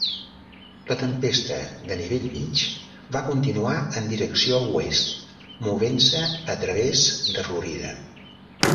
La tempesta de nivell mig va continuar en direcció oest movent-se a través de Florida.